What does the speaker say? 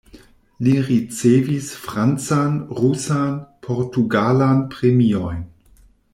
Li ricevis francan, rusan, portugalan premiojn.